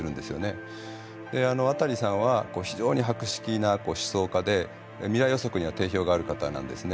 アタリさんは非常に博識な思想家で未来予測には定評がある方なんですね。